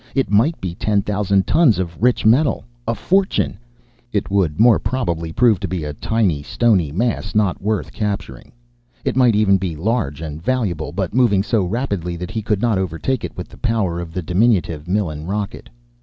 It might be ten thousand tons of rich metal. A fortune! It would more probably prove to be a tiny, stony mass, not worth capturing. It might even be large and valuable, but moving so rapidly that he could not overtake it with the power of the diminutive Millen rocket.